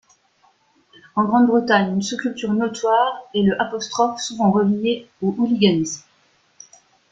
En Grande-Bretagne, une sous-culture notoire est le ', souvent reliée au hooliganisme.